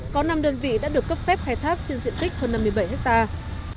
có năm đơn vị đã được cấp phép khai thác trên diện tích hơn năm mươi bảy hectare